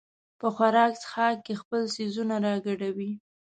په خوراک څښاک کې خپل څیزونه راګډوي.